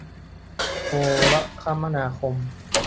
โทรคมนาคม